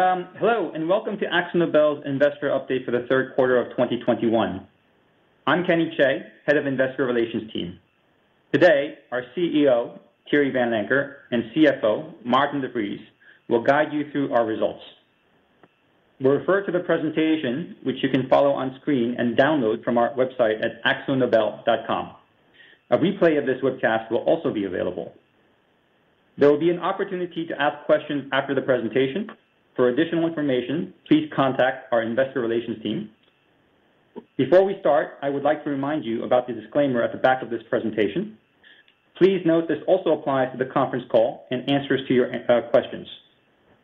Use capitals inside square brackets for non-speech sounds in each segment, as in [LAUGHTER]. Hello, welcome to AkzoNobel's investor update for the third quarter of 2021. I'm Kenny Chae, head of investor relations team. Today, our CEO, Thierry Vanlancker, and CFO, Maarten de Vries, will guide you through our results. We'll refer to the presentation, which you can follow on screen and download from our website at akzonobel.com. A replay of this webcast will also be available. There will be an opportunity to ask questions after the presentation. For additional information, please contact our investor relations team. Before we start, I would like to remind you about the disclaimer at the back of this presentation. Please note this also applies to the conference call and answers to your questions.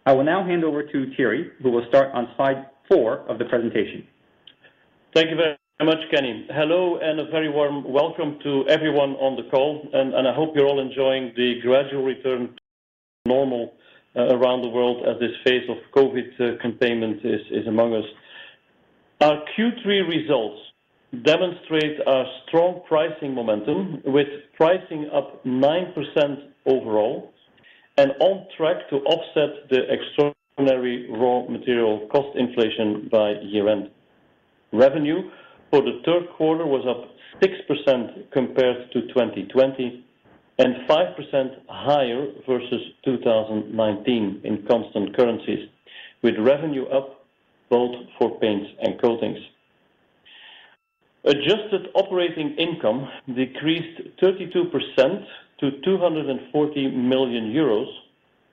I will now hand over to Thierry, who will start on slide 4 of the presentation. Thank you very much, Kenny. Hello, and a very warm welcome to everyone on the call, and I hope you're all enjoying the gradual return to normal around the world as this phase of COVID containment is among us. Our Q3 results demonstrate a strong pricing momentum, with pricing up 9% overall and on track to offset the extraordinary raw material cost inflation by year end. Revenue for the third quarter was up 6% compared to 2020, and 5% higher versus 2019 in constant currencies, with revenue up both for paints and coatings. Adjusted operating income decreased 32% to 240 million euros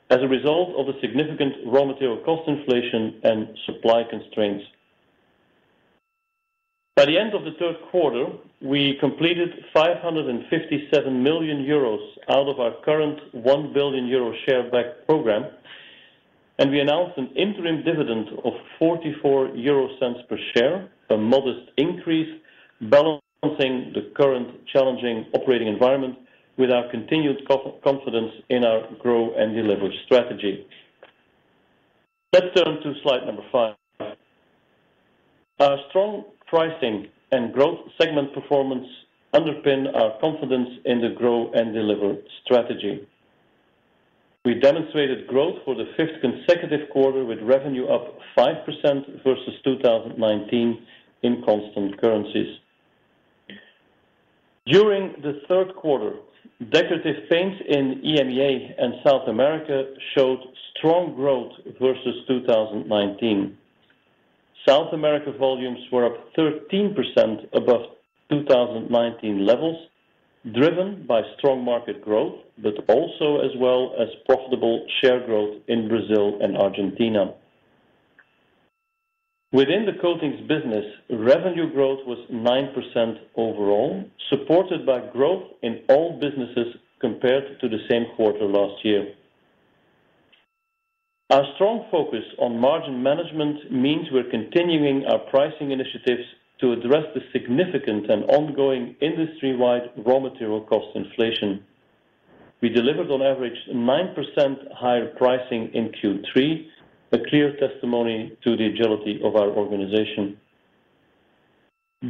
as a result of a significant raw material cost inflation and supply constraints. By the end of the third quarter, we completed 557 million euros out of our current 1 billion euro share buyback program, and we announced an interim dividend of 0.44 per share, a modest increase balancing the current challenging operating environment with our continued confidence in our Grow & Deliver strategy. Let's turn to slide number 5. Our strong pricing and growth segment performance underpin our confidence in the Grow & Deliver strategy. We demonstrated growth for the fifth consecutive quarter, with revenue up 5% versus 2019 in constant currencies. During the third quarter, Decorative Paints in EMEA and South America showed strong growth versus 2019. South America volumes were up 13% above 2019 levels, driven by strong market growth, but also as well as profitable share growth in Brazil and Argentina. Within the coatings business, revenue growth was 9% overall, supported by growth in all businesses compared to the same quarter last year. Our strong focus on margin management means we're continuing our pricing initiatives to address the significant and ongoing industry-wide raw material cost inflation. We delivered on average 9% higher pricing in Q3, a clear testimony to the agility of our organization.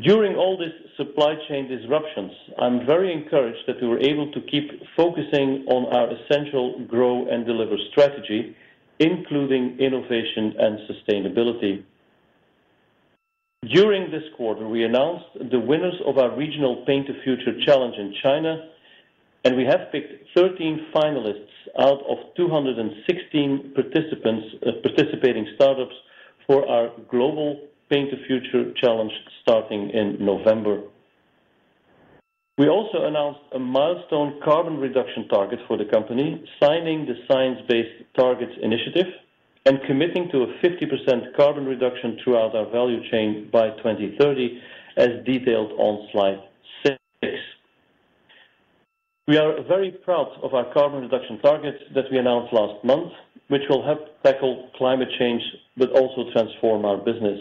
During all these supply chain disruptions, I'm very encouraged that we were able to keep focusing on our essential Grow & Deliver strategy, including innovation and sustainability. During this quarter, we announced the winners of our regional Paint the Future challenge in China, and we have picked 13 finalists out of 216 participating startups for our global Paint the Future challenge starting in November. We also announced a milestone carbon reduction target for the company, signing the Science Based Targets initiative and committing to a 50% carbon reduction throughout our value chain by 2030, as detailed on slide 6. We are very proud of our carbon reduction targets that we announced last month, which will help tackle climate change, also transform our business.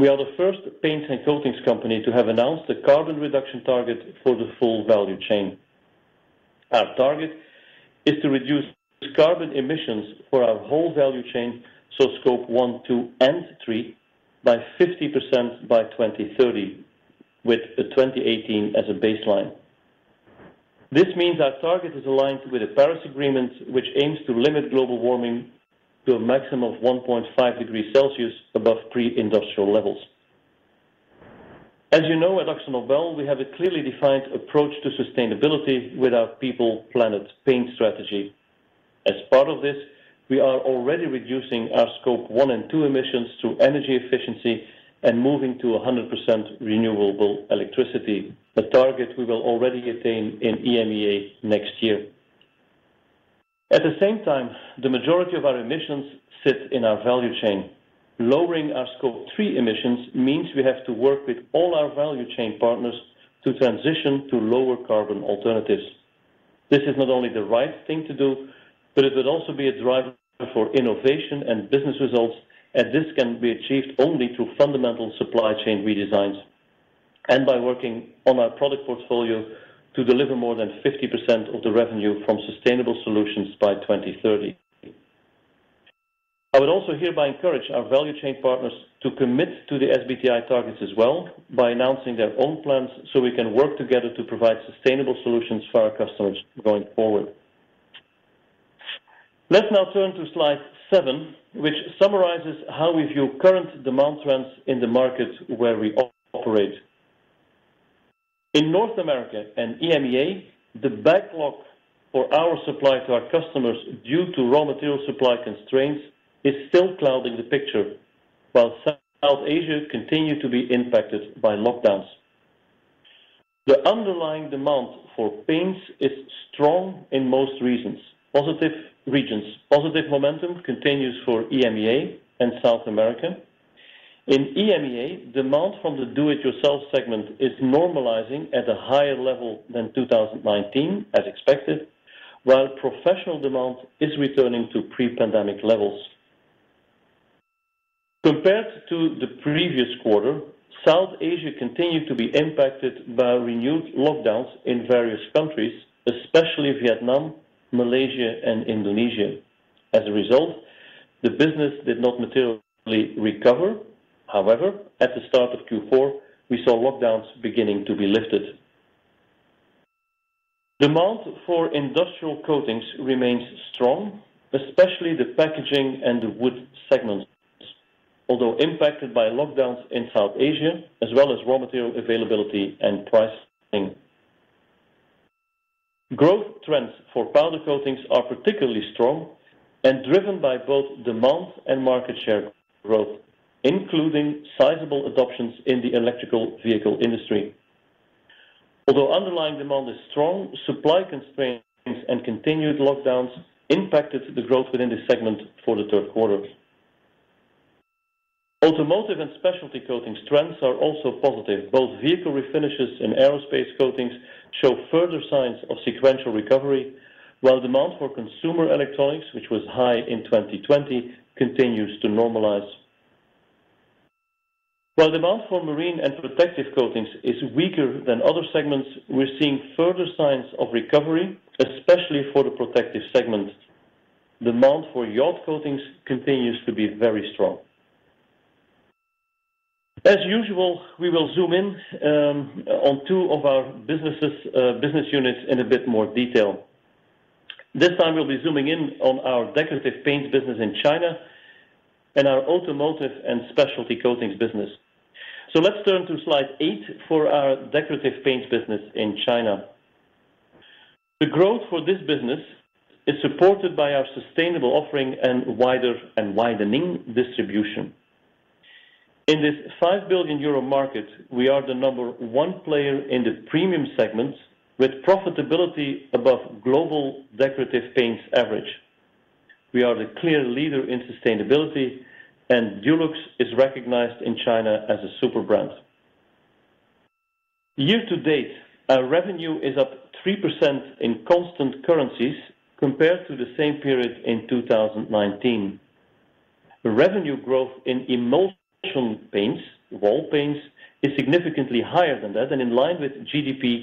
We are the first paints and coatings company to have announced a carbon reduction target for the full value chain. Our target is to reduce carbon emissions for our whole value chain, so Scope 1, 2, and 3, by 50% by 2030, with 2018 as a baseline. This means our target is aligned with the Paris Agreement, which aims to limit global warming to a maximum of 1.5 degrees Celsius above pre-industrial levels. As you know, at AkzoNobel, we have a clearly defined approach to sustainability with our People. Planet. Paint. strategy. As part of this, we are already reducing our Scope 1 and 2 emissions through energy efficiency and moving to 100% renewable electricity, a target we will already attain in EMEA next year. At the same time, the majority of our emissions sit in our value chain. Lowering our Scope 3 emissions means we have to work with all our value chain partners to transition to lower-carbon alternatives. This is not only the right thing to do, but it will also be a driver for innovation and business results, and this can be achieved only through fundamental supply chain redesigns and by working on our product portfolio to deliver more than 50% of the revenue from sustainable solutions by 2030. I would also hereby encourage our value chain partners to commit to the SBTI targets as well by announcing their own plans so we can work together to provide sustainable solutions for our customers going forward. Let's now turn to slide 7, which summarizes how we view current demand trends in the markets where we operate. In North America and EMEA, the backlog for our supply to our customers due to raw material supply constraints is still clouding the picture, while South Asia continue to be impacted by lockdowns. The underlying demand for paints is strong in most regions. Positive momentum continues for EMEA and South America. In EMEA, demand from the do-it-yourself segment is normalizing at a higher level than 2019, as expected, while professional demand is returning to pre-pandemic levels. Compared to the previous quarter, South Asia continued to be impacted by renewed lockdowns in various countries, especially Vietnam, Malaysia, and Indonesia. As a result, the business did not materially recover. At the start of Q4, we saw lockdowns beginning to be lifted. Demand for industrial coatings remains strong, especially the packaging and the wood segments, although impacted by lockdowns in South Asia as well as raw material availability and pricing. Growth trends for powder coatings are particularly strong and driven by both demand and market share growth, including sizable adoptions in the electrical vehicle industry. Although underlying demand is strong, supply constraints and continued lockdowns impacted the growth within this segment for the third quarter. Automotive and specialty coatings trends are also positive. Both vehicle refinishes and aerospace coatings show further signs of sequential recovery, while demand for consumer electronics, which was high in 2020, continues to normalize. While demand for marine and protective coatings is weaker than other segments, we are seeing further signs of recovery, especially for the Protective segment. Demand for yacht coatings continues to be very strong. As usual, we will zoom in on two of our business units in a bit more detail. This time, we will be zooming in on our Decorative Paints business in China and our Automotive and Specialty Coatings business. Let's turn to slide 8 for our Decorative Paints business in China. The growth for this business is supported by our sustainable offering and widening distribution. In this 5 billion euro market, we are the number 1 player in the premium segment with profitability above global Decorative Paints average. We are the clear leader in sustainability, and Dulux is recognized in China as a super brand. Year to date, our revenue is up 3% in constant currencies compared to the same period in 2019. Revenue growth in emulsion paints, wall paints, is significantly higher than that and in line with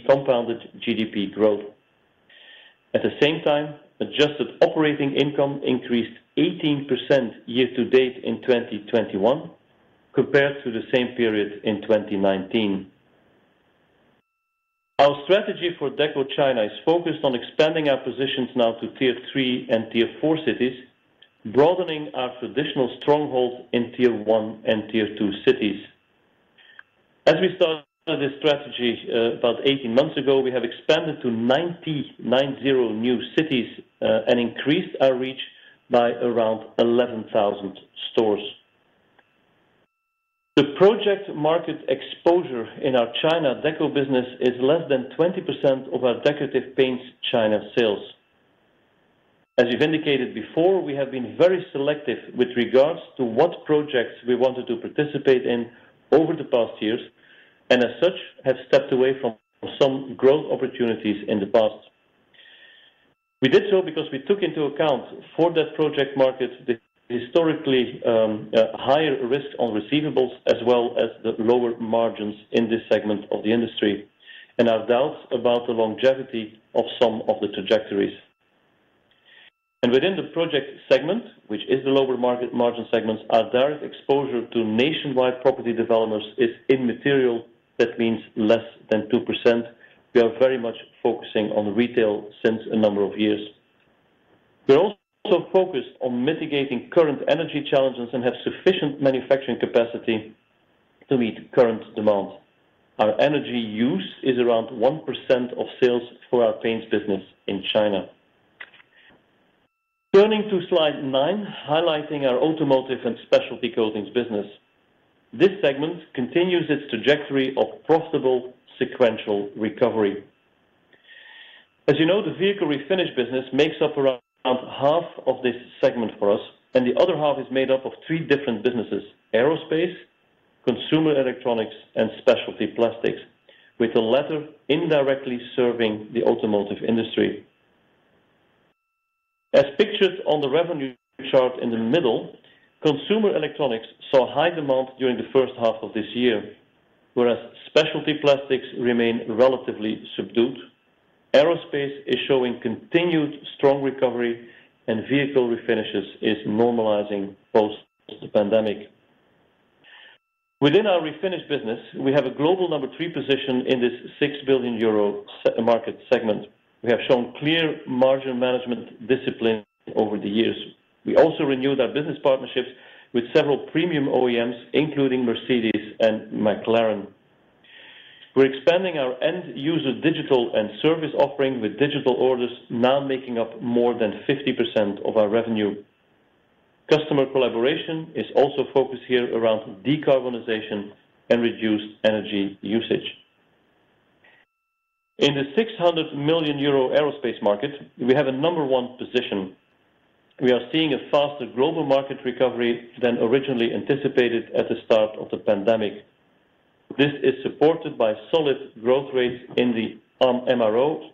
compounded GDP growth. At the same time, adjusted operating income increased 18% year to date in 2021 compared to the same period in 2019. Our strategy for Deco China is focused on expanding our positions now to Tier 3 and Tier 4 cities, broadening our traditional strongholds in Tier 1 and Tier 2 cities. As we started this strategy about 18 months ago, we have expanded to 90 new cities, and increased our reach by around 11,000 stores. The project market exposure in our China Deco business is less than 20% of our Decorative Paints China sales. As we've indicated before, we have been very selective with regards to what projects we wanted to participate in over the past years, and as such, have stepped away from some growth opportunities in the past. We did so because we took into account for that project market the historically higher risk on receivables, as well as the lower margins in this segment of the industry, and our doubts about the longevity of some of the trajectories. Within the project segment, which is the lower market margin segment, our direct exposure to nationwide property developers is immaterial. That means less than 2%. We are very much focusing on retail since a number of years. We're also focused on mitigating current energy challenges and have sufficient manufacturing capacity to meet current demand. Our energy use is around 1% of sales for our paints business in China. Turning to slide 9, highlighting our automotive and specialty coatings business. This segment continues its trajectory of profitable sequential recovery. As you know, the vehicle refinish business makes up around half of this segment for us, and the other half is made up of three different businesses, aerospace, consumer electronics, and specialty plastics, with the latter indirectly serving the automotive industry. As pictured on the revenue chart in the middle, consumer electronics saw high demand during the first half of this year, whereas specialty plastics remain relatively subdued. Aerospace is showing continued strong recovery, and vehicle refinishes is normalizing post the pandemic. Within our Refinish business, we have a global number 3 position in this 6 billion euro market segment. We have shown clear margin management discipline over the years. We also renewed our business partnerships with several premium OEMs, including Mercedes and McLaren. We're expanding our end-user digital and service offering, with digital orders now making up more than 50% of our revenue. Customer collaboration is also focused here around decarbonization and reduced energy usage. In the 600 million euro aerospace market, we have a number 1 position. We are seeing a faster global market recovery than originally anticipated at the start of the pandemic. This is supported by solid growth rates in the MRO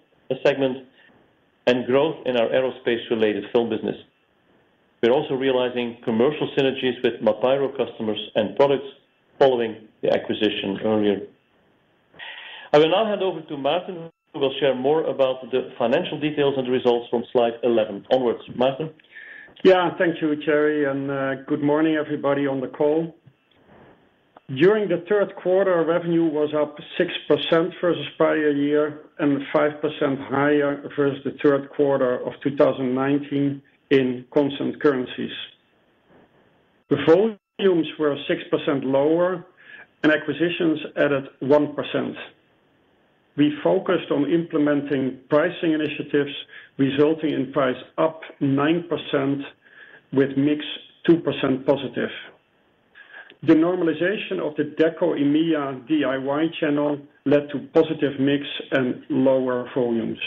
segment and growth in our aerospace-related film business. We're also realizing commercial synergies with Mapaero customers and products following the acquisition earlier. I will now hand over to Maarten, who will share more about the financial details and results from slide 11 onwards. Maarten? Thank you, Thierry, and good morning, everybody on the call. During the third quarter, revenue was up 6% versus prior year and 5% higher versus the third quarter of 2019 in constant currencies. The volumes were 6% lower and acquisitions added 1%. We focused on implementing pricing initiatives, resulting in price up 9% with mix 2% positive. The normalization of the Deco EMEA DIY channel led to positive mix and lower volumes.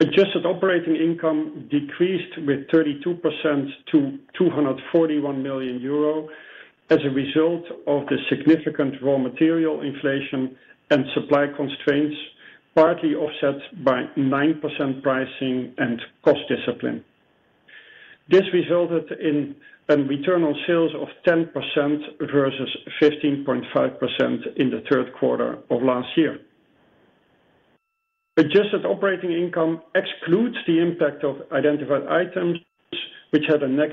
Adjusted operating income decreased with 32% to 241 million euro as a result of the significant raw material inflation and supply constraints, partly offset by 9% pricing and cost discipline. This resulted in a return on sales of 10% versus 15.5% in the third quarter of last year. Adjusted operating income excludes the impact of identified items which had a net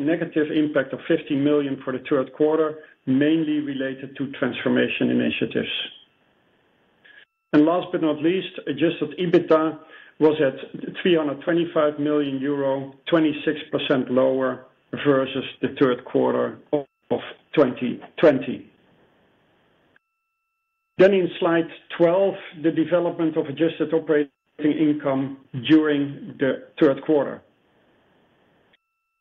negative impact of 15 million for the third quarter, mainly related to transformation initiatives. Last but not least, adjusted EBITDA was at 325 million euro, 26% lower versus the third quarter of 2020. In slide 12, the development of adjusted operating income during the third quarter.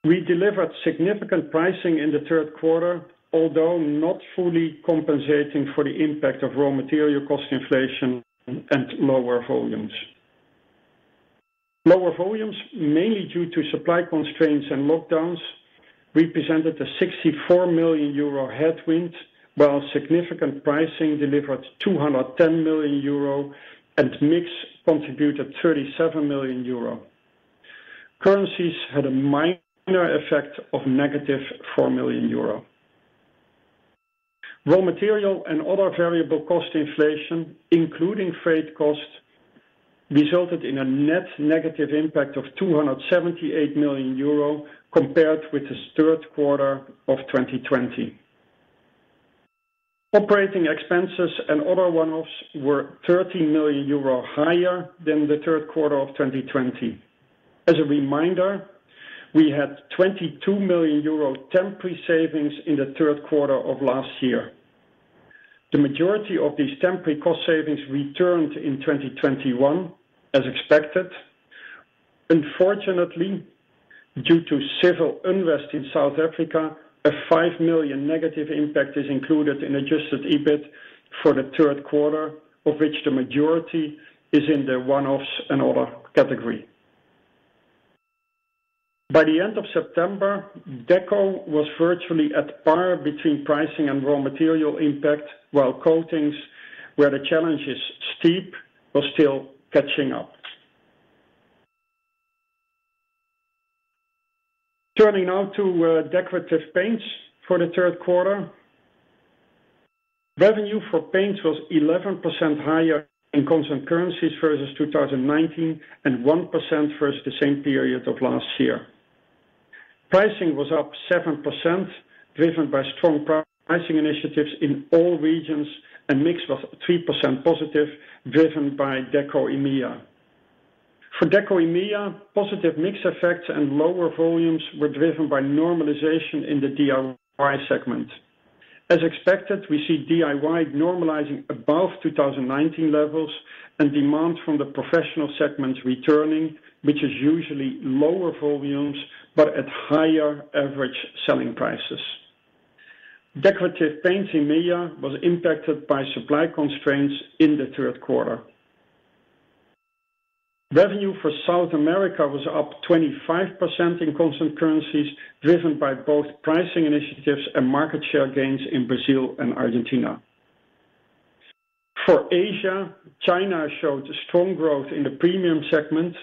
We delivered significant pricing in the third quarter, although not fully compensating for the impact of raw material cost inflation and lower volumes. Lower volumes, mainly due to supply constraints and lockdowns, represented a 64 million euro headwind, while significant pricing delivered 210 million euro and mix contributed 37 million euro. Currencies had a minor effect of -4 million euro. Raw material and other variable cost inflation, including freight costs, resulted in a net negative impact of 278 million euro compared with the third quarter of 2020. Operating expenses and other one-offs were 13 million euro higher than the third quarter of 2020. As a reminder, we had 22 million euro temporary savings in the third quarter of last year. The majority of these temporary cost savings returned in 2021 as expected. Unfortunately, due to civil unrest in South Africa, a 5 million negative impact is included in adjusted EBIT for the third quarter, of which the majority is in the one-offs and other category. By the end of September, Deco was virtually at par between pricing and raw material impact, while Coatings, where the challenge is steep, was still catching up. Turning now to Decorative Paints for the third quarter. Revenue for paints was 11% higher in constant currencies versus 2019 and 1% versus the same period of last year. Pricing was up 7%, driven by strong pricing initiatives in all regions, and mix was 3% positive, driven by Deco EMEA. For Deco EMEA, positive mix effects and lower volumes were driven by normalization in the DIY segment. As expected, we see DIY normalizing above 2019 levels and demand from the professional segment returning, which is usually lower volumes, but at higher average selling prices. Decorative Paints EMEA was impacted by supply constraints in the third quarter. Revenue for South America was up 25% in constant currencies, driven by both pricing initiatives and market share gains in Brazil and Argentina. For Asia, China showed strong growth in the premium segment.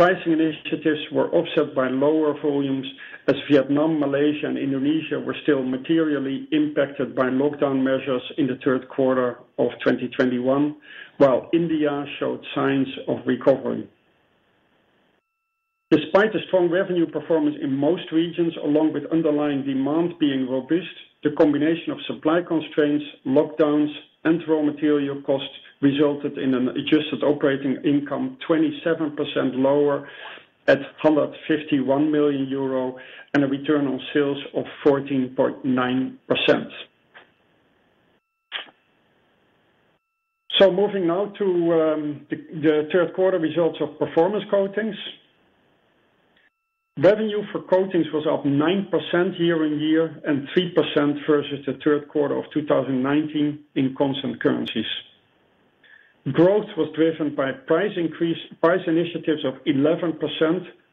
Pricing initiatives were offset by lower volumes as Vietnam, Malaysia, and Indonesia were still materially impacted by lockdown measures in the third quarter of 2021, while India showed signs of recovery. Despite the strong revenue performance in most regions, along with underlying demand being robust, the combination of supply constraints, lockdowns, and raw material costs resulted in an adjusted operating income 27% lower at 151 million euro and a return on sales of 14.9%. Moving now to the third quarter results of Performance Coatings. Revenue for coatings was up 9% year-on-year and 3% versus the third quarter of 2019 in constant currencies. Growth was driven by price initiatives of 11%,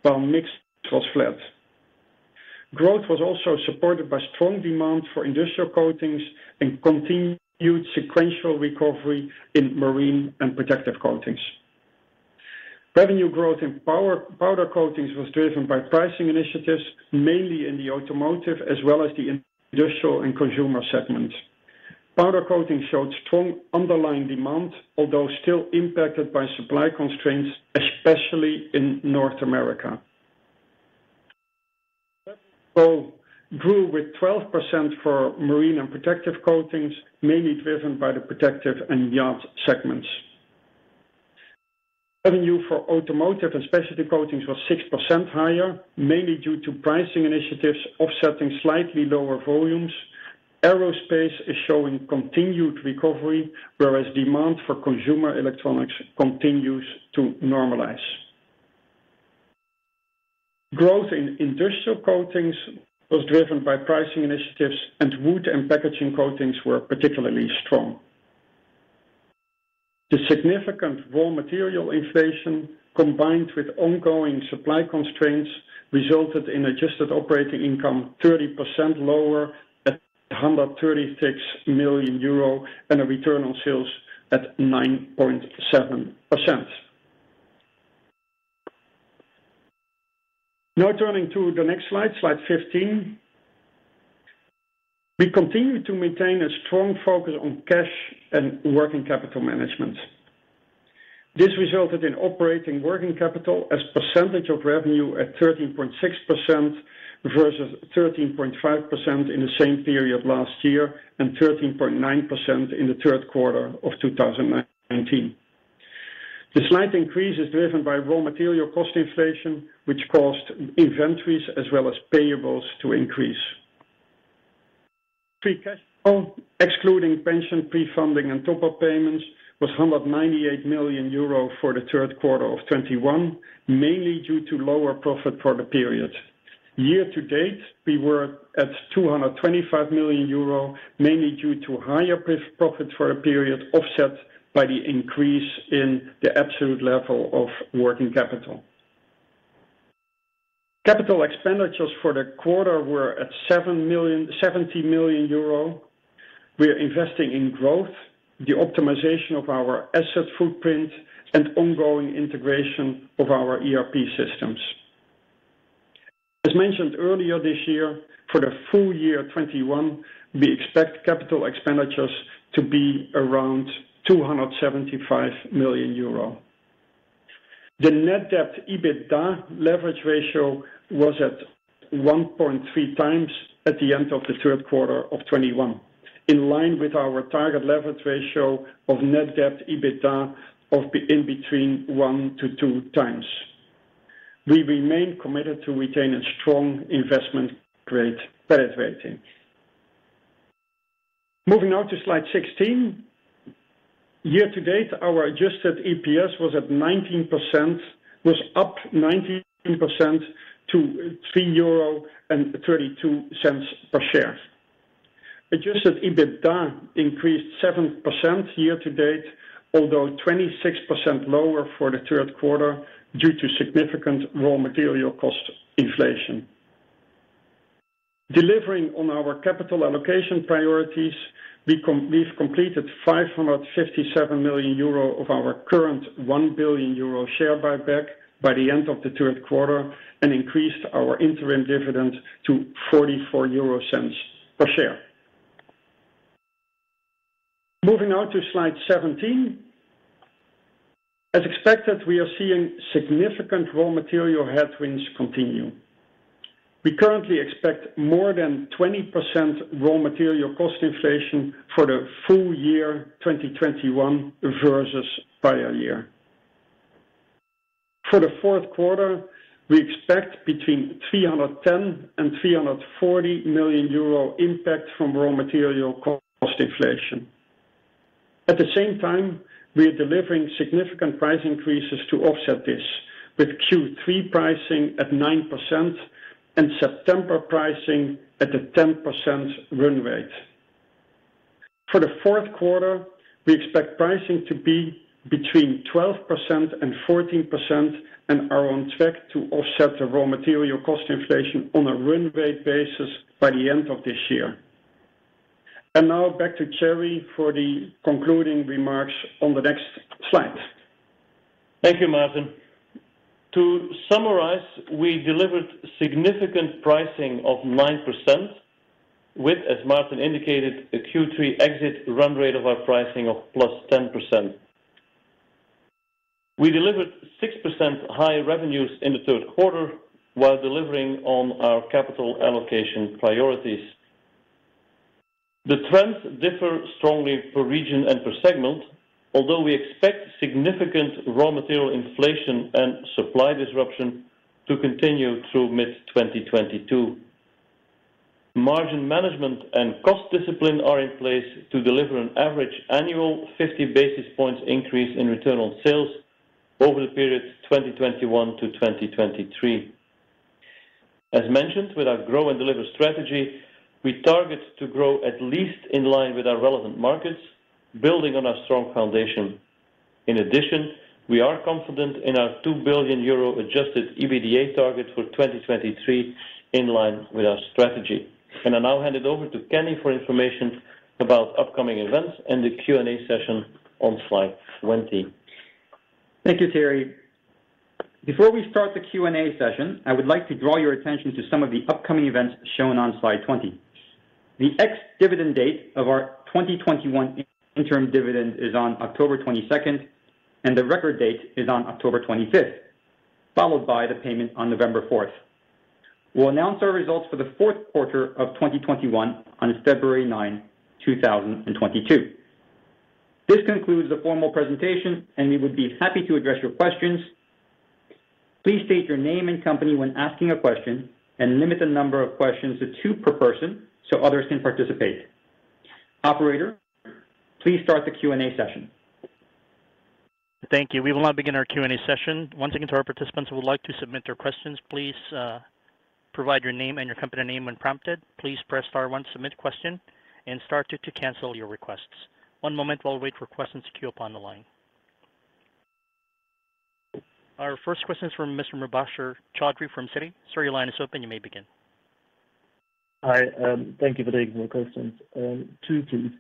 while mix was flat. Growth was also supported by strong demand for industrial coatings and continued sequential recovery in marine and protective coatings. Revenue growth in powder coatings was driven by pricing initiatives, mainly in the automotive as well as the industrial and consumer segments. Powder coatings showed strong underlying demand, although still impacted by supply constraints, especially in North America. [AUDIO DISTORTION] grew with 12% for marine and protective coatings, mainly driven by the protective and yacht segments. Revenue for automotive and specialty coatings was 6% higher, mainly due to pricing initiatives offsetting slightly lower volumes. Aerospace is showing continued recovery, whereas demand for consumer electronics continues to normalize. Growth in industrial coatings was driven by pricing initiatives, and wood and packaging coatings were particularly strong. The significant raw material inflation, combined with ongoing supply constraints, resulted in adjusted operating income 30% lower at 136 million euro and a return on sales at 9.7%. Now turning to the next slide 15. We continue to maintain a strong focus on cash and operating working capital management. This resulted in operating working capital as a percentage of revenue at 13.6% versus 13.5% in the same period last year and 13.9% in the third quarter of 2019. The slight increase is driven by raw material cost inflation, which caused inventories as well as payables to increase. Free cash flow, excluding pension pre-funding and top-up payments, was 198 million euro for the third quarter of 2021, mainly due to lower profit for the period. Year to date, we were at 225 million euro, mainly due to higher profit for a period offset by the increase in the absolute level of working capital. Capital expenditures for the quarter were at 70 million euro. We are investing in growth, the optimization of our asset footprint, and ongoing integration of our ERP systems. As mentioned earlier this year, for the full year 2021, we expect capital expenditures to be around 275 million euro. The net debt to EBITDA leverage ratio was at 1.3x at the end of the third quarter of 2021, in line with our target leverage ratio of net debt to EBITDA of in between 1-2x. We remain committed to retain a strong investment grade credit rating. Moving now to slide 16. Year to date, our adjusted EPS was up 19% to 3.32 euro per share. Adjusted EBITDA increased 7% year to date, although 26% lower for the third quarter due to significant raw material cost inflation. Delivering on our capital allocation priorities, we've completed 557 million euro of our current 1 billion euro share buyback by the end of the third quarter and increased our interim dividend to 0.44 per share. Moving now to slide 17. As expected, we are seeing significant raw material headwinds continue. We currently expect more than 20% raw material cost inflation for the full year 2021 versus prior year. For the fourth quarter, we expect between 310 million and 340 million euro impact from raw material cost inflation. At the same time, we are delivering significant price increases to offset this with Q3 pricing at 9% and September pricing at a 10% run rate. For the fourth quarter, we expect pricing to be between 12% and 14% and are on track to offset the raw material cost inflation on a run-rate basis by the end of this year. Now back to Thierry for the concluding remarks on the next slide. Thank you, Maarten. To summarize, we delivered significant pricing of 9%, with, as Maarten indicated, a Q3 exit run rate of our pricing of +10%. We delivered 6% higher revenues in the third quarter while delivering on our capital allocation priorities. The trends differ strongly for region and per segment, although we expect significant raw material inflation and supply disruption to continue through mid-2022. Margin management and cost discipline are in place to deliver an average annual 50 basis points increase in return on sales over the period 2021 to 2023. As mentioned, with our Grow & Deliver strategy, we target to grow at least in line with our relevant markets, building on our strong foundation. In addition, we are confident in our 2 billion euro adjusted EBITDA target for 2023, in line with our strategy. I now hand it over to Kenny for information about upcoming events and the Q&A session on slide 20. Thank you, Thierry. Before we start the Q&A session, I would like to draw your attention to some of the upcoming events shown on slide 20. The ex-dividend date of our 2021 interim dividend is on October 22nd, and the record date is on October 25th, followed by the payment on November 4th. We'll announce our results for the fourth quarter of 2021 on February 9, 2022. This concludes the formal presentation, and we would be happy to address your questions. Please state your name and company when asking a question and limit the number of questions to two per person so others can participate. Operator, please start the Q&A session. Thank you. We will now begin our Q&A session. Once again, to our participants who would like to submit their questions, please provide your name and your company name when prompted. Please press star one to submit question and star two to cancel your requests. One moment while we wait for questions to queue up on the line. Our first question is from Mr. Mubasher Chaudhry from Citi. Sir, your line is open. You may begin. Hi. Thank you for taking my questions. Two, please.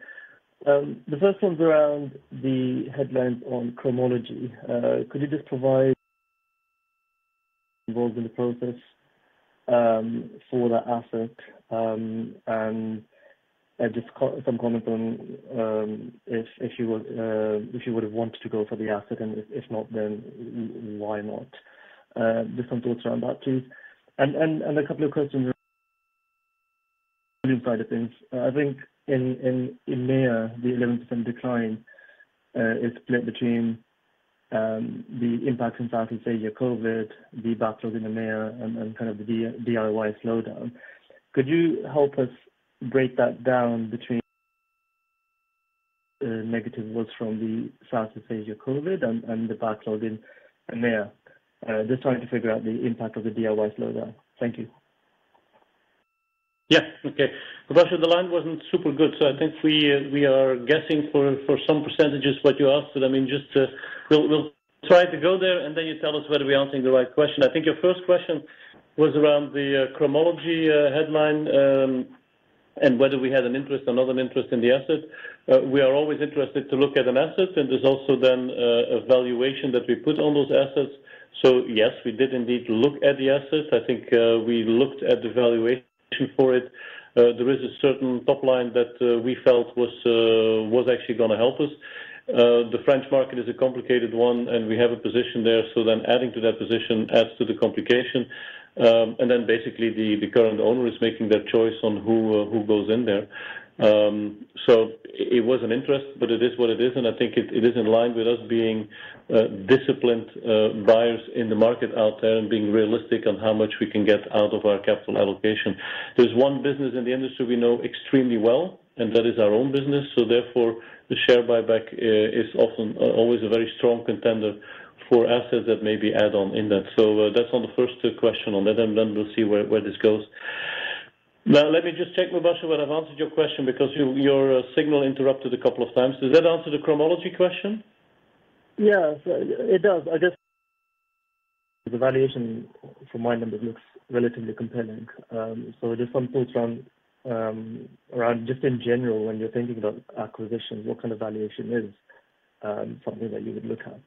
The first one's around the headlines on Cromology. Could you just provide [AUDIO DISTORTION] involved in the process for that asset? Just some comment on if you would've wanted to go for the asset, and if not, then why not? Just some thoughts around that, please. A couple of questions [AUDIO DISTORTION] side of things. I think in EMEA, the 11% decline is split between the impact in South East Asia COVID, the backload in EMEA and kind of the DIY slowdown. Could you help us break that down between negative was from the South East Asia COVID and the backload in EMEA. Just trying to figure out the impact of the DIY slowdown. Thank you. Yeah. Okay. Mubasher, the line wasn't super good, so I think we are guessing for some percentages what you asked. We will try to go there, and then you tell us whether we are answering the right question. I think your first question was around the Cromology headline, and whether we had an interest, another interest in the asset. We are always interested to look at an asset, and there is also then a valuation that we put on those assets. Yes, we did indeed look at the asset. I think we looked at the valuation for it. There is a certain top line that we felt was actually going to help us. The French market is a complicated one, and we have a position there, so then adding to that position adds to the complication. Basically, the current owner is making that choice on who goes in there. It was an interest, but it is what it is, and I think it is in line with us being disciplined buyers in the market out there and being realistic on how much we can get out of our capital allocation. There's one business in the industry we know extremely well, and that is our own business. Therefore, the share buyback is always a very strong contender for assets that maybe add on in that. That's on the first question on that, and then we'll see where this goes. Let me just check, Mubasher, whether I've answered your question because your signal interrupted a couple of times. Does that answer the Cromology question? Yes, it does. Iguess the valuation from my end, it looks relatively compelling. Just some thoughts around, just in general, when you're thinking about acquisitions, what kind of valuation is something that you would look at?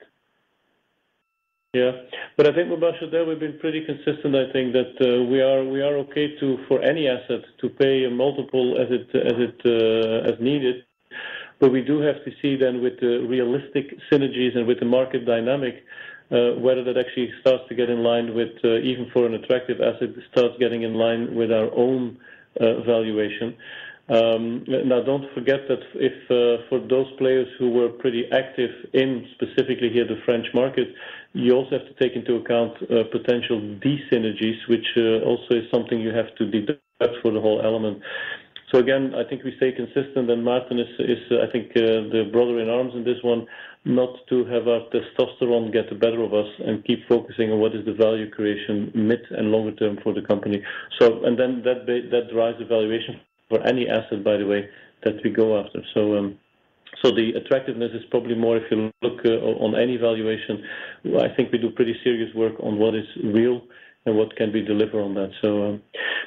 Yeah. I think, Mubasher, there we've been pretty consistent. I think that we are okay to, for any asset, to pay a multiple as needed. We do have to see then with the realistic synergies and with the market dynamic, whether that actually starts to get in line with, even for an attractive asset, starts getting in line with our own valuation. Don't forget that if for those players who were pretty active in specifically here, the French market, you also have to take into account potential de-synergies, which also is something you have to deduct for the whole element. Again, I think we stay consistent, and Maarten is, I think, the brother in arms in this one, not to have our testosterone get the better of us and keep focusing on what is the value creation mid and longer term for the company. That drives the valuation for any asset, by the way, that we go after. The attractiveness is probably more if you look on any valuation. I think we do pretty serious work on what is real and what can we deliver on that.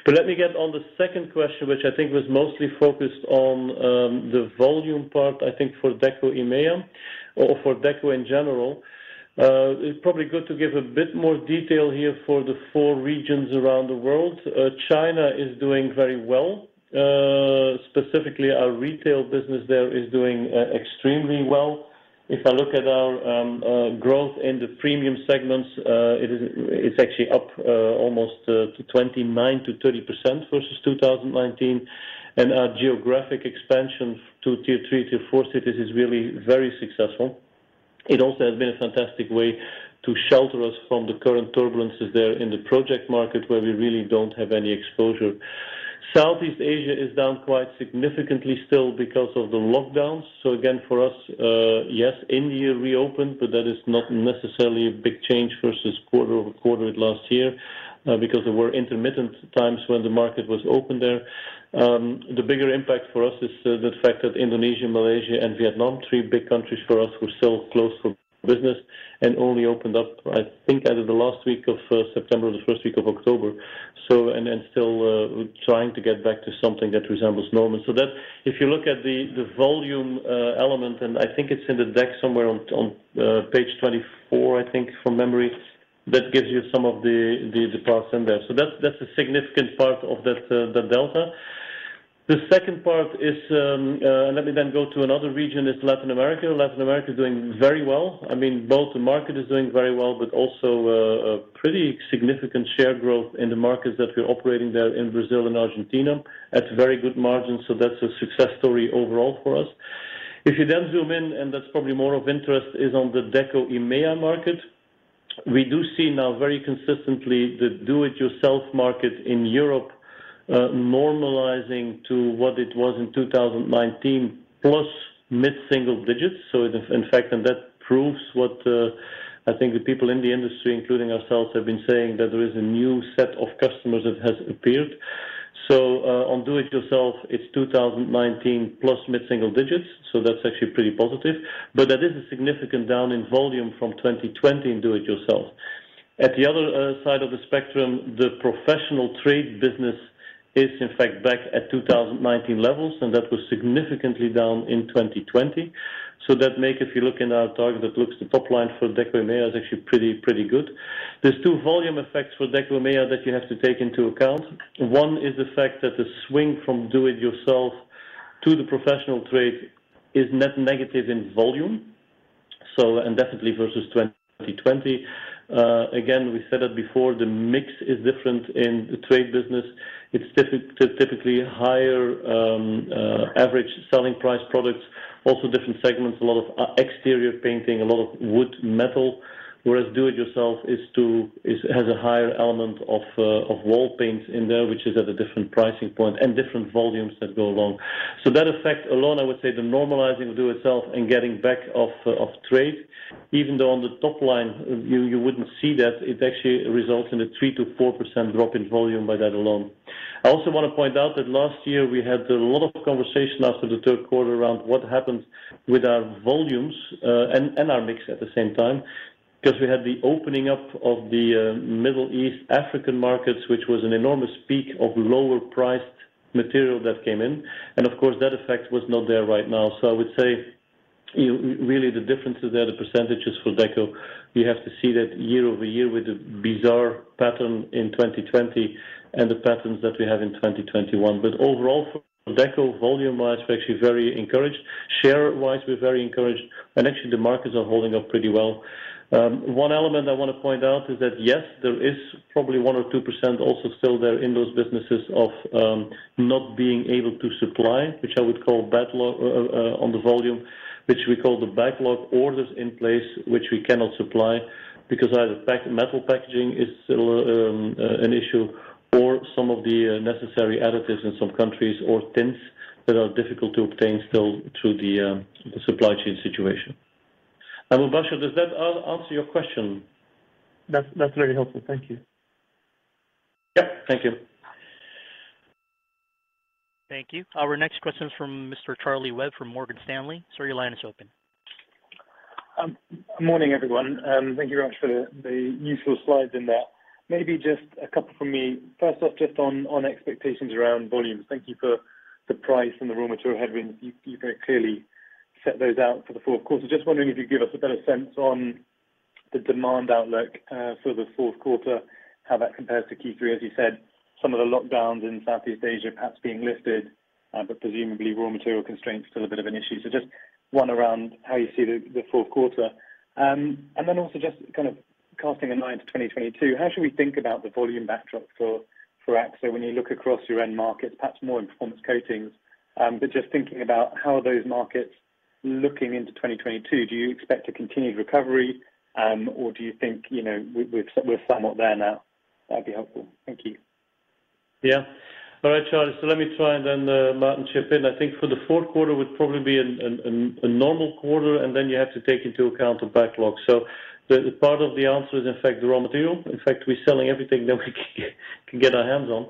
Let me get on the second question, which I think was mostly focused on the volume part. I think for Deco EMEA or for Deco in general, it's probably good to give a bit more detail here for the four regions around the world. China is doing very well. Specifically, our retail business there is doing extremely well. If I look at our growth in the premium segments, it's actually up almost to 29%-30% versus 2019. Our geographic expansion to Tier 3, Tier 4 cities is really very successful. It also has been a fantastic way to shelter us from the current turbulences there in the project market, where we really don't have any exposure. Southeast Asia is down quite significantly still because of the lockdowns. Again, for us, yes, India reopened, but that is not necessarily a big change versus quarter-over-quarter last year because there were intermittent times when the market was open there. The bigger impact for us is the fact that Indonesia, Malaysia, and Vietnam, three big countries for us, were still closed for business and only opened up, I think, either the last week of September or the first week of October. Still trying to get back to something that resembles normal. If you look at the volume element, and I think it's in the deck somewhere on page 24, I think, from memory, that gives you some of the parts in there. That's a significant part of that delta. The second part is, let me then go to another region, is Latin America. Latin America is doing very well. Both the market is doing very well, but also a pretty significant share growth in the markets that we're operating there in Brazil and Argentina at very good margins. That's a success story overall for us. If you then zoom in, and that's probably more of interest, is on the Deco EMEA market. We do see now very consistently the do-it-yourself market in Europe normalizing to what it was in 2019, plus mid-single digits. In fact, that proves what I think the people in the industry, including ourselves, have been saying, that there is a new set of customers that has appeared. On do it yourself, it's 2019 plus mid-single digits, that's actually pretty positive. That is a significant down in volume from 2020 in do-it-yourself. At the other side of the spectrum, the professional trade business is, in fact, back at 2019 levels, and that was significantly down in 2020. That make, if you look in our target that looks the top line for Deco EMEA, is actually pretty good. There's two volume effects for Deco EMEA that you have to take into account. One is the fact that the swing from do-it-yourself to the professional trade is net negative in volume, and definitely versus 2020. We said it before, the mix is different in the trade business. It's typically higher average selling price products, also different segments, a lot of exterior painting, a lot of wood and metal. Whereas do it yourself has a higher element of wall paints in there, which is at a different pricing point and different volumes that go along. That effect alone, I would say the normalizing of do-it-yourself and getting back of trade, even though on the top line you wouldn't see that, it actually results in a 3%-4% drop in volume by that alone. I also want to point out that last year we had a lot of conversation after the third quarter around what happens with our volumes and our mix at the same time, because we had the opening up of the Middle East African markets, which was an enormous peak of lower-priced material that came in. Of course, that effect was not there right now. I would say, really the differences there, the percentages for Deco, you have to see that year-over-year with the bizarre pattern in 2020 and the patterns that we have in 2021. Overall for Deco, volume-wise, we're actually very encouraged. Share-wise, we're very encouraged. Actually, the markets are holding up pretty well. One element I want to point out is that, yes, there is probably 1% or 2% also still there in those businesses of not being able to supply, which I would call on the volume, which we call the backlog orders in place, which we cannot supply because either metal packaging is still an issue or some of the necessary additives in some countries or tints that are difficult to obtain still through the supply chain situation. I don't know, Mubasher, does that answer your question? That's really helpful. Thank you. Yeah. Thank you. Thank you. Our next question is from Mr. Charlie Webb from Morgan Stanley. Sir, your line is open. Morning, everyone. Thank you very much for the useful slides in there. Maybe just a couple from me. First off, just on expectations around volumes. Thank you for the price and the raw material headwinds. You very clearly set those out for the fourth quarter. Just wondering if you could give us a better sense on the demand outlook for the fourth quarter, how that compares to Q3. As you said, some of the lockdowns in Southeast Asia perhaps being lifted, presumably raw material constraints still a bit of an issue. Just one around how you see the fourth quarter. Also just kind of casting an eye into 2022, how should we think about the volume backdrop for Akzo when you look across your end markets, perhaps more in Performance Coatings? Just thinking about how are those markets looking into 2022. Do you expect a continued recovery or do you think we're somewhat there now? That'd be helpful. Thank you. Yeah. All right, Charlie. Let me try and then Maarten chip in. I think for the fourth quarter would probably be a normal quarter, and then you have to take into account the backlog. The part of the answer is, in fact, the raw material. In fact, we're selling everything that we can get our hands on.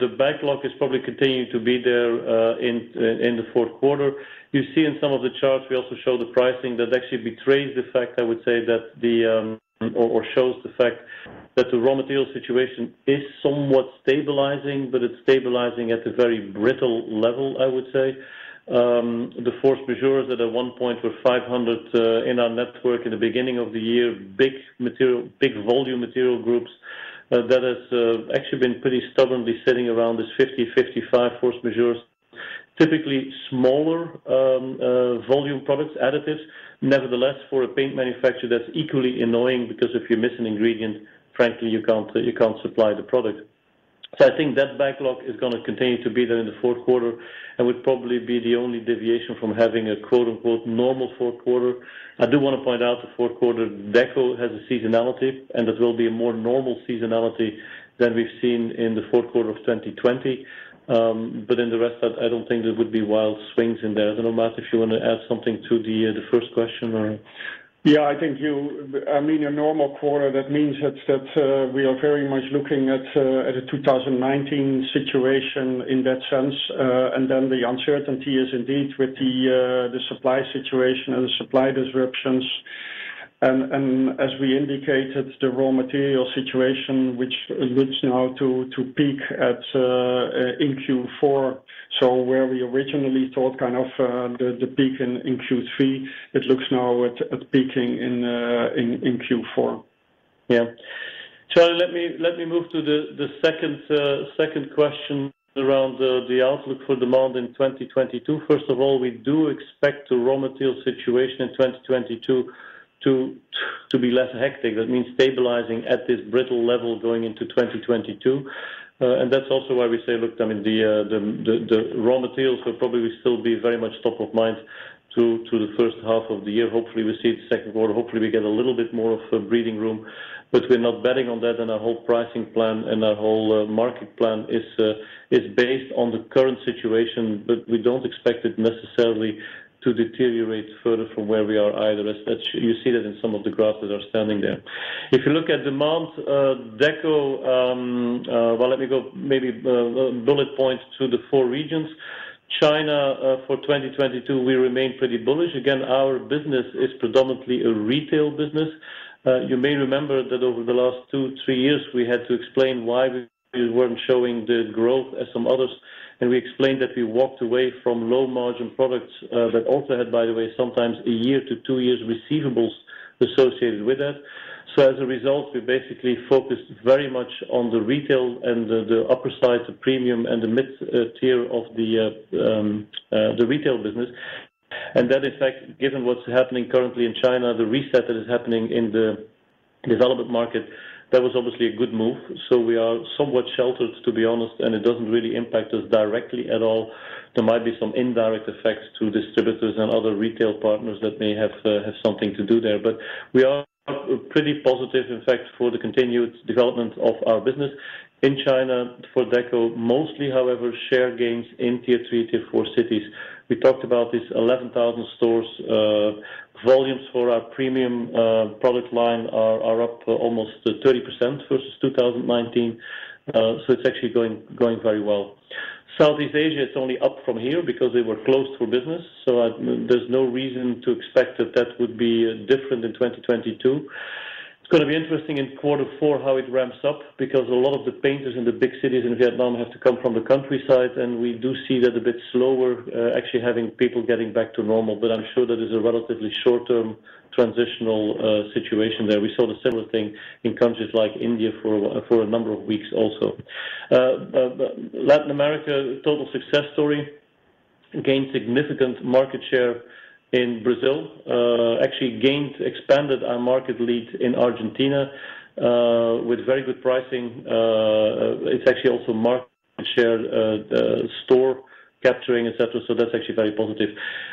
The backlog is probably continuing to be there in the fourth quarter. You see in some of the charts, we also show the pricing that actually betrays the fact, I would say, or shows the fact that the raw material situation is somewhat stabilizing, but it's stabilizing at a very brittle level, I would say. The force majeures that at one point were 500 in our network in the beginning of the year, big volume material groups. That has actually been pretty stubbornly sitting around this 50, 55 force majeures, typically smaller volume products, additives. Nevertheless, for a paint manufacturer, that's equally annoying because if you miss an ingredient, frankly, you can't supply the product. I think that backlog is going to continue to be there in the fourth quarter and would probably be the only deviation from having a "normal fourth quarter." I do want to point out the fourth quarter Deco has a seasonality, and it will be a more normal seasonality than we've seen in the fourth quarter of 2020. In the rest, I don't think there would be wild swings in there. I don't know, Maarten, if you want to add something to the first question or? Yeah, I think a normal quarter, that means that we are very much looking at a 2019 situation in that sense. The uncertainty is indeed with the supply situation and the supply disruptions. As we indicated, the raw material situation, which looks now to peak in Q4. Where we originally thought the peak in Q3, it looks now at peaking in Q4. Yeah. Charlie, let me move to the second question around the outlook for demand in 2022. First of all, we do expect the raw material situation in 2022 to be less hectic. That means stabilizing at this brittle level going into 2022. That's also why we say, look, the raw materials will probably still be very much top of mind to the first half of the year. Hopefully, we see it second quarter. Hopefully, we get a little bit more of a breathing room, but we're not betting on that. Our whole pricing plan and our whole market plan is based on the current situation, but we don't expect it necessarily to deteriorate further from where we are either. You see that in some of the graphs that are standing there. If you look at demand Deco. Well, let me go maybe bullet points to the four regions. China, for 2022, we remain pretty bullish. Again, our business is predominantly a retail business. You may remember that over the last two, three years, we had to explain why we weren't showing the growth as some others, and we explained that we walked away from low-margin products that also had, by the way, sometimes one-two years receivables associated with that. As a result, we basically focused very much on the retail and the upper side, the premium, and the mid-tier of the retail business. That, in fact, given what's happening currently in China, the reset that is happening in the development market, was obviously a good move. We are somewhat sheltered, to be honest, and it doesn't really impact us directly at all. There might be some indirect effects to distributors and other retail partners that may have something to do there. We are pretty positive, in fact, for the continued development of our business in China for Deco, mostly, however, share gains in Tier 3, Tier 4 cities. We talked about these 11,000 stores. Volumes for our premium product line are up almost 30% versus 2019. It's actually going very well. Southeast Asia, it's only up from here because they were closed for business. There's no reason to expect that that would be different in 2022. It's going to be interesting in quarter four how it ramps up because a lot of the painters in the big cities in Vietnam have to come from the countryside, and we do see that a bit slower, actually having people getting back to normal. I'm sure that is a relatively short-term transitional situation there. We saw the similar thing in countries like India for a number of weeks also. Latin America, a total success story. Gained significant market share in Brazil. Actually expanded our market lead in Argentina with very good pricing. It's actually also market share store capturing, et cetera. That's actually very positive.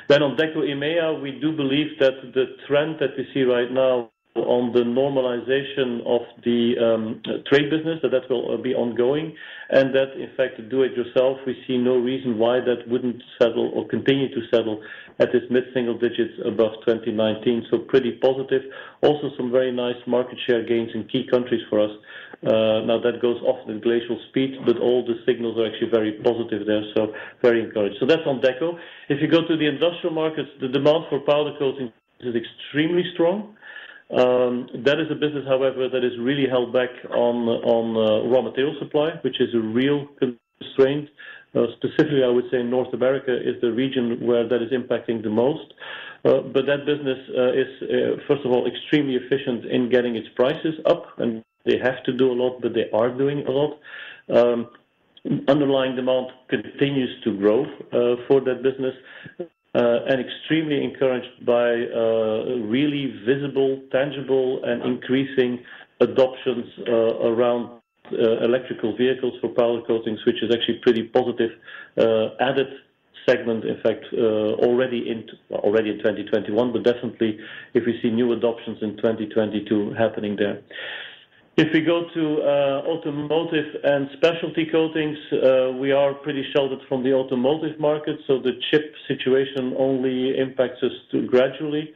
On Deco EMEA, we do believe that the trend that we see right now on the normalization of the trade business, that will be ongoing, and that in fact, do it yourself, we see no reason why that wouldn't settle or continue to settle at this mid-single digits above 2019. Pretty positive. Some very nice market share gains in key countries for us. That goes often in glacial speed, but all the signals are actually very positive there, very encouraged. That's on Deco. If you go to the industrial markets, the demand for powder coating is extremely strong. That is a business, however, that is really held back on raw material supply, which is a real constraint. Specifically, I would say North America is the region where that is impacting the most. That business is, first of all, extremely efficient in getting its prices up, and they have to do a lot, but they are doing a lot. Underlying demand continues to grow for that business, and extremely encouraged by really visible, tangible, and increasing adoptions around electrical vehicles for powder coatings, which is actually pretty positive added segment, in fact, already in 2021. Definitely if we see new adoptions in 2022 happening there. If we go to Automotive and Specialty Coatings, we are pretty sheltered from the automotive market, so the chip situation only impacts us gradually.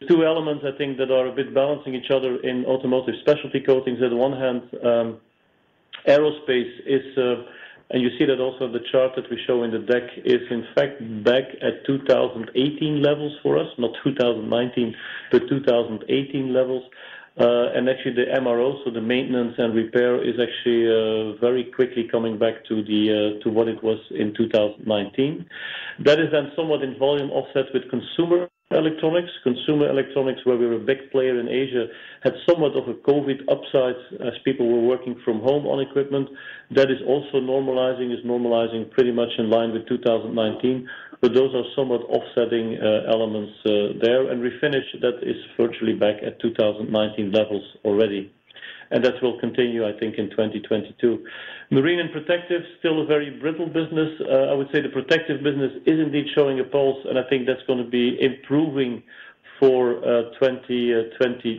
There's two elements I think that are a bit balancing each other in Automotive and Specialty Coatings. On one hand, aerospace is, you see that also the chart that we show in the deck is in fact back at 2018 levels for us, not 2019, but 2018 levels. Actually the MRO, so the maintenance and repair, is actually very quickly coming back to what it was in 2019. That is then somewhat in volume offset with consumer electronics. Consumer electronics, where we're a big player in Asia, had somewhat of a COVID upside as people were working from home on equipment. That is also normalizing, is normalizing pretty much in line with 2019. Those are somewhat offsetting elements there. Refinish, that is virtually back at 2019 levels already. That will continue, I think, in 2022. Marine and Protective, still a very brittle business. I would say the Protective business is indeed showing a pulse. I think that's going to be continuing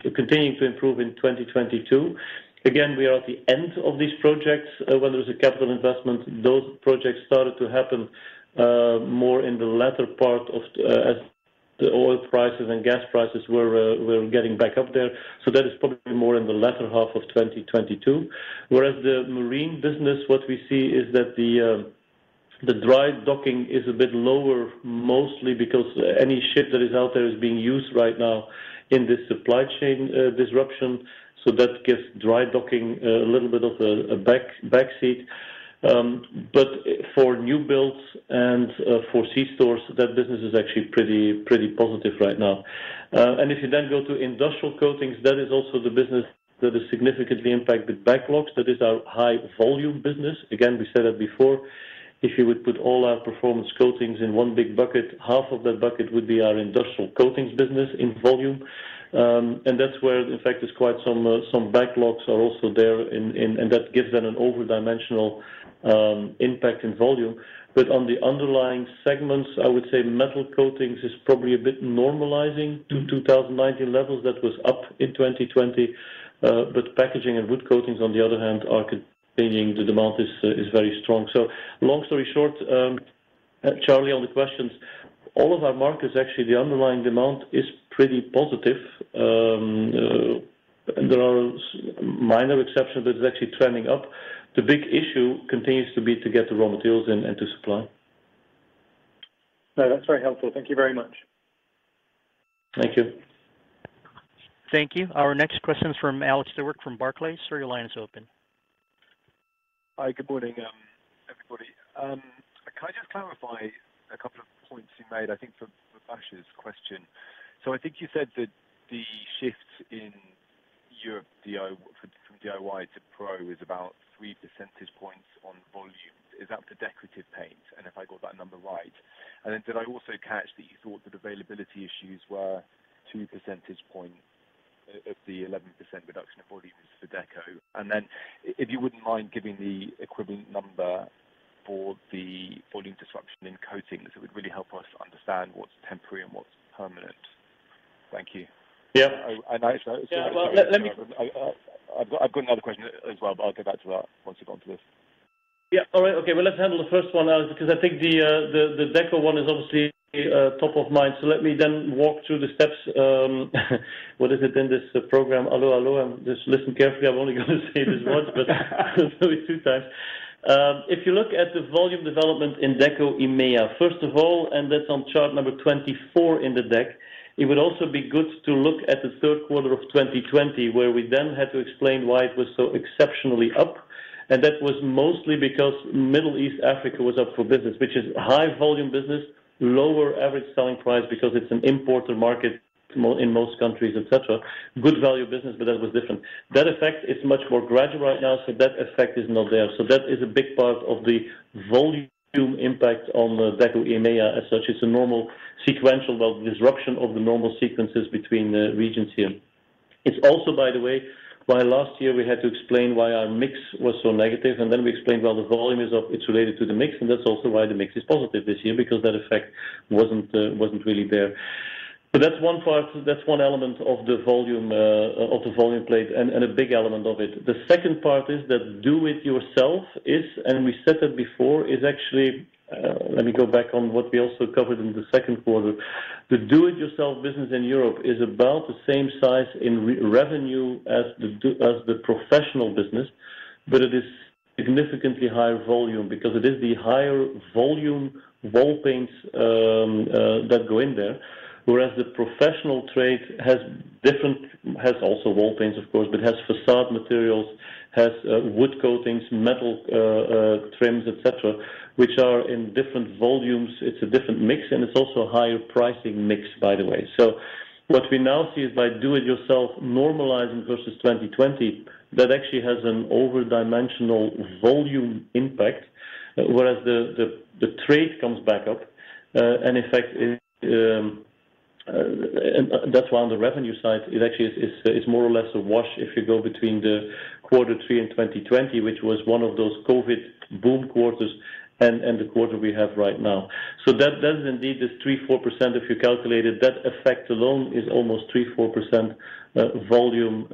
to improve in 2022. Again, we are at the end of these projects. Where there is a capital investment, those projects started to happen more in the latter part as the oil prices and gas prices were getting back up there. That is probably more in the latter half of 2022. Whereas the Marine business, what we see is that the dry docking is a bit lower, mostly because any ship that is out there is being used right now in this supply chain disruption. That gives dry docking a little bit of a back seat. For new builds and for sea stores, that business is actually pretty positive right now. If you then go to Industrial Coatings, that is also the business that is significantly impacted with backlogs. That is our high volume business. Again, we said that before, if you would put all our Performance Coatings in one big bucket, half of that bucket would be our Industrial Coatings business in volume. That's where, in fact, is quite some backlogs are also there, and that gives then an over-dimensional impact in volume. On the underlying segments, I would say Metal Coatings is probably a bit normalizing to 2019 levels. That was up in 2020. Packaging and Wood Coatings, on the other hand, are maintaining, the demand is very strong. Long story short, Charlie, on the questions, all of our markets, actually, the underlying demand is pretty positive. There are minor exceptions, but it's actually trending up. The big issue continues to be to get the raw materials and to supply. No, that's very helpful. Thank you very much. Thank you. Thank you. Our next question is from Alex Stewart from Barclays. Sir, your line is open. Hi, good morning, everybody. Can I just clarify a couple of points you made, I think from Mubasher's question. I think you said that the shift in Europe from DIY to Pro is about 3 percentage points on volumes. Is that for decorative paint? If I got that number right. Did I also catch that you thought that availability issues were 2 percentage points of the 11% reduction of volumes for Deco? If you wouldn't mind giving the equivalent number for the volume disruption in Coatings, it would really help us understand what's temporary and what's permanent. Thank you. Yeah. I've got another question as well, but I'll get back to that once you've gone through this. All right. Well, let's handle the first one, Alex, because I think the Deco one is obviously top of mind. Let me then walk through the steps. What is it in this program? Allo! Allo! Just listen carefully, I'm only going to say this once, but I'll say it two times. If you look at the volume development in Deco EMEA, first of all, and that's on chart number 24 in the deck, it would also be good to look at the third quarter of 2020, where we then had to explain why it was so exceptionally up. That was mostly because Middle East Africa was up for business, which is high volume business, lower average selling price because it's an importer market in most countries, et cetera. Good value business, but that was different. That effect is much more gradual right now, so that effect is not there. That is a big part of the volume impact on Deco EMEA, as such, it's a normal sequential disruption of the normal sequences between the regions here. It's also, by the way, why last year we had to explain why our mix was so negative, and then we explained why the volume is up, it's related to the mix, and that's also why the mix is positive this year, because that effect wasn't really there. That's one element of the volume plate, and a big element of it. The second part is that do it yourself is, and we said that before- Let me go back on what we also covered in the second quarter. The do-it-yourself business in Europe is about the same size in revenue as the professional business, but it is significantly higher volume because it is the higher volume wall paints that go in there. Whereas the professional trade has different- has also wall paints, of course, but has facade materials, has wood coatings, metal trims, et cetera, which are in different volumes. It's a different mix, and it's also a higher pricing mix, by the way. What we now see is by do it yourself normalizing versus 2020, that actually has an over-dimensional volume impact. Whereas the trade comes back up, and in fact, that's why on the revenue side, it actually is more or less a wash if you go between the quarter three in 2020, which was one of those COVID boom quarters, and the quarter we have right now. That indeed is 3%-4%, if you calculate it, that effect alone is almost 3%-4% volume.